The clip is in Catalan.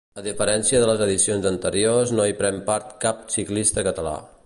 A diferència de les edicions anteriors no hi pren part cap ciclista català.